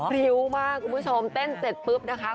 พริ้วมากคุณผู้ชมเต้นเสร็จปุ๊บนะคะ